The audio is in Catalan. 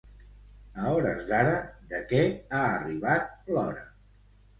A hores d'ara, de què ha arribat l'hora?